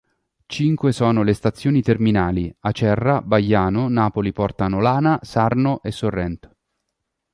Cinque sono le stazioni terminali: Acerra, Baiano, Napoli Porta Nolana, Sarno e Sorrento.